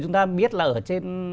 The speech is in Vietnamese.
chúng ta biết là ở trên